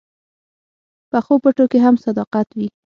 پخو پټو کې هم صداقت وي